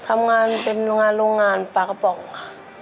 ทำงานเป็นโรงงานโรงงานปลากระป๋องค่ะ